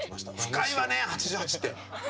深いわね８８って。